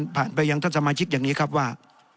ผ่านไปยังท่านสมาชิกอย่างนี้ครับว่า